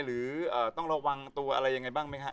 หรือต้องระวังตัวอะไรยังไงบ้างไหมฮะ